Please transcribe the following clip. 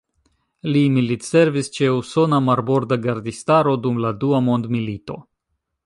Li militservis ĉe Usona Marborda Gardistaro dum Dua Mondmilito.